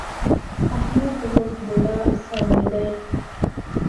احمد اوس بوډا شوی دی.